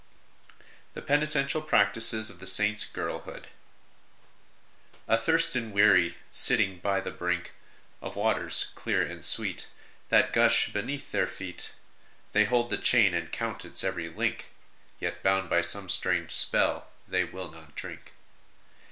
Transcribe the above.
THE PENITENTIAL PRACTICES OF THE SAINT S GIRLHOOD. Athirst and weary, sitting by the brink Of waters clear and sweet That gush beneath their feet, They hold the chain, and count its every link, Yet, bound by some strange spell, they will not drink.